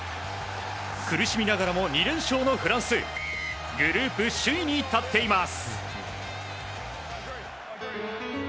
苦しみながらも２連勝のフランスグループ首位に立っています。